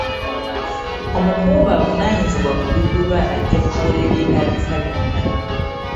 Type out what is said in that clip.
Omukungu avunaanyizibwa ku bigulwa ajja kugula ebyetaagisa byonna.